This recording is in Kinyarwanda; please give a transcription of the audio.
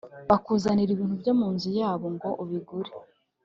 bakuzanira ibintu byo mu nzu yabo ngo ubigure